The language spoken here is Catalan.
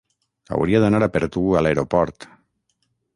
Hauria anat a per tu, a l'aeroport...